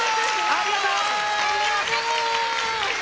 ありがとち！